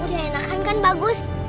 udah enakan kan bagus